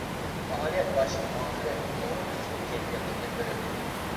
پائالىيەت باشتىن-ئاخىر تولىمۇ قىزغىن كەيپىياتتا ئېلىپ بېرىلدى.